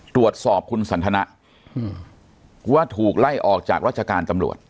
ตรวจสอบคุณสันทนะว่าถูกไล่ออกจากราชการตำรวจ